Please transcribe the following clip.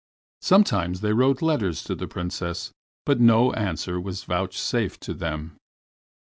Sometimes they wrote letters to the Princess, but no answer was vouchsafed to them.